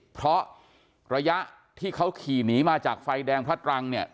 เพราะระยะที่เขาขี่หนีมาจากไฟแดงพระตรังเนี่ย